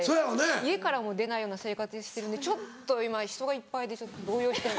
家からも出ないような生活してるんでちょっと今人がいっぱいでちょっと動揺してる。